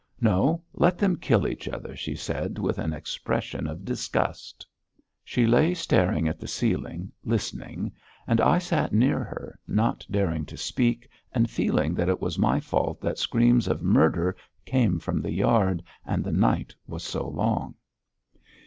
"No. Let them kill each other," she said with an expression of disgust. She lay staring at the ceiling, listening, and I sat near her, not daring to speak and feeling that it was my fault that screams of "murder" came from the yard and the night was so long.